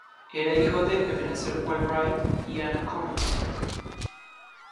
Era hijo de Ebenezer Wheelwright y Anna Coombs.